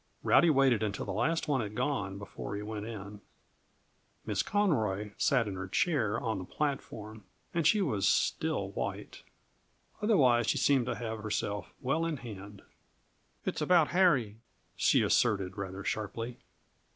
Rowdy waited until the last one had gone before he went in. Miss Conroy sat in her chair on the platform, and she was still white; otherwise she seemed to have herself well in hand. "It's about Harry," she asserted, rather sharply.